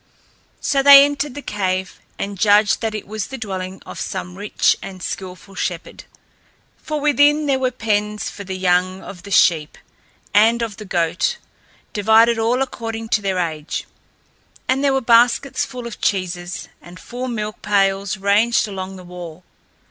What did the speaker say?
So they entered the cave and judged that it was the dwelling of some rich and skilful shepherd. For within there were pens for the young of the sheep and of the goats, divided all according to their age, and there were baskets full of cheeses, and full milk pails ranged along the wall.